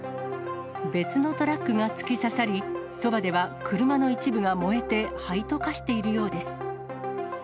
別のトラックが突き刺さり、そばでは車の一部が燃えて、灰と化しているようです。